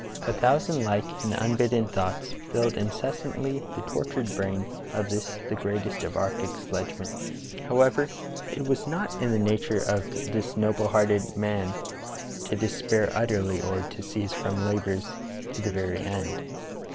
A thousand like and unbidden thoughts filled incessantly the tort ured brain of this the greatest of arctic sledgemen* However, it was not in the nature of this noble hearted man to despair utterly, or to cease from labors to the very end.